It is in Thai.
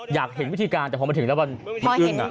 อยากเห็นวิธีการแต่พอมาถึงแล้วมันอึ้ง